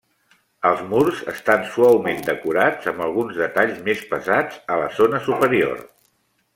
Els murs estan suaument decorats, amb alguns detalls més pesats a la zona superior.